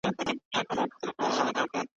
څرنګه چې ماشومان زده کړه وکړي، جرم به زیات نه شي.